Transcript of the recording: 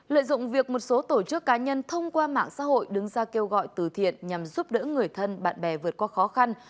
lợi dụng việc một số tổ chức cá nhân thông qua mạng xã hội đứng ra kêu gọi từ thiện nhằm giúp đỡ người thân bạn bè vượt qua khó khăn